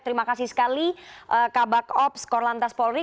terima kasih sekali kabak ops korlantas polri